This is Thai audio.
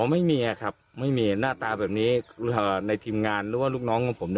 ไม่มีครับไม่มีหน้าตาแบบนี้ในทีมงานหรือว่าลูกน้องของผม